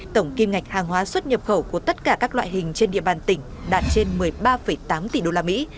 tổng kim ngạch hàng hóa xuất nhập khẩu của tất cả các loại hình trên địa bàn tỉnh đạt trên một mươi ba tám tỷ đô la mỹ